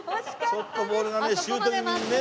ちょっとボールがね